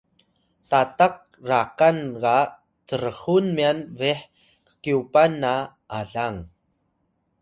tatak rakan ga crxun myan beh kkyupan na alang